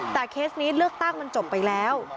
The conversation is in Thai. แต่เคสนี้เลือกตั้งมันจบไปแล้ว